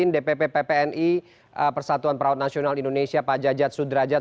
dpp ppni persatuan perawat nasional indonesia pak jajat sudrajat